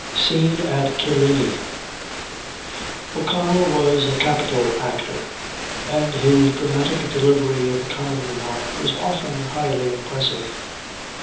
SCENE AT KILLINEY. O'Connell was a capital actor, and his dramatic delivery of a common remark was often highly impressive.